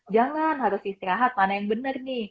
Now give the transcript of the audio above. jalan harus istirahat mana yang benar nih